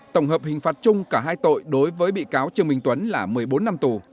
tổng hợp hình phạt chung cả hai tội đối với bị cáo trương minh tuấn là một mươi bốn năm tù